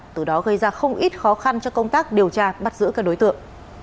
từ đó gây ra không ít khó khăn cho công tác điều tra bắt giữ các đối tượng